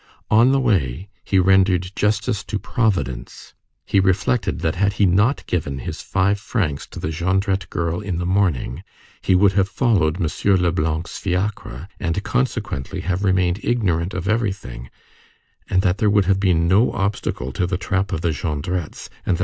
On the way, he rendered justice to Providence. He reflected that had he not given his five francs to the Jondrette girl in the morning, he would have followed M. Leblanc's fiacre, and consequently have remained ignorant of everything, and that there would have been no obstacle to the trap of the Jondrettes and that M.